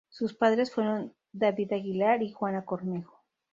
Sus padres fueron David Aguilar y Juana Cornejo.